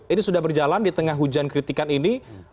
ini sudah berjalan di tengah hujan kritikan ini